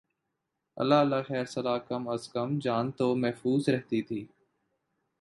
اللہ اللہ خیر سلا کم از کم جان تو محفوظ رہتی تھی۔